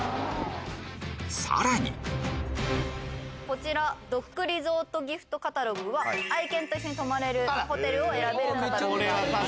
こちらドッグリゾートギフトカタログは愛犬と一緒に泊まれるホテルを選べるカタログになってます。